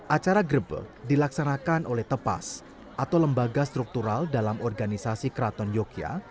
acara grebek dilaksanakan oleh tepas atau lembaga struktural dalam organisasi keraton yogyakarta